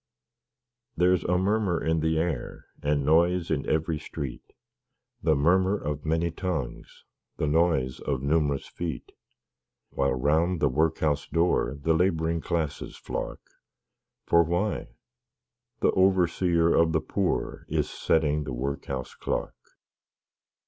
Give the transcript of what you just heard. There's a murmur in the air, And noise in every street The murmur of many tongues, The noise of numerous feet While round the Workhouse door The Laboring Classes flock, For why? the Overseer of the Poor Is setting the Workhouse Clock.